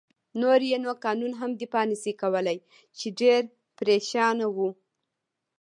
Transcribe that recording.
نور يې نو قانون هم دفاع نه شي کولای، چې ډېر پرېشان و.